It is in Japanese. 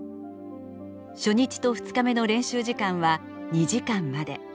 初日と２日目の練習時間は２時間まで。